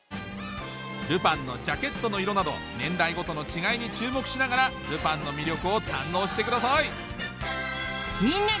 ルパンのジャケットの色など年代ごとの違いに注目しながら『ルパン』の魅力を堪能してください